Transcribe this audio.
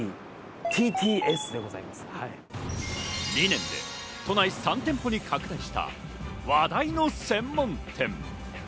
２年で都内３店舗に拡大した話題の専門店。